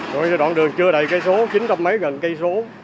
rồi đoạn đường chưa đầy cây số chín trăm mấy gần cây số